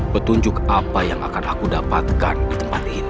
petunjuk apa yang akan aku dapatkan di tempat ini